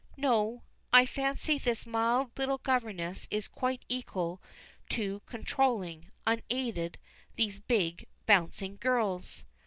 No, I fancy this mild little governess is quite equal to controlling, unaided, these big bouncing girls.